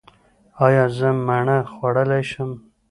ایا زه مڼه خوړلی شم؟